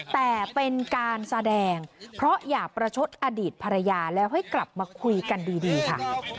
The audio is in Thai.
แต่เป็นการแสดงเพราะอย่าประชดอดีตภรรยาแล้วให้กลับมาคุยกันดีค่ะ